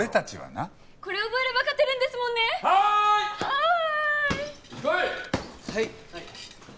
はい！